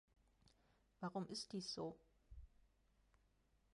Warum ist dies so?